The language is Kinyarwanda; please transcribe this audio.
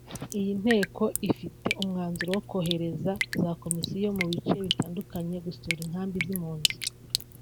Iyi Nteko ifite umwanzuro wo kohereza za komisiyo mu bice bitandukanye gusura inkambi z’impunzi